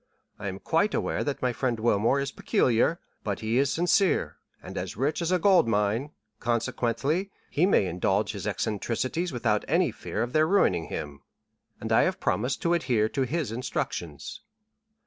I am quite aware that my friend Wilmore is peculiar, but he is sincere, and as rich as a gold mine, consequently, he may indulge his eccentricities without any fear of their ruining him, and I have promised to adhere to his instructions.